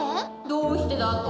「どうして」だと？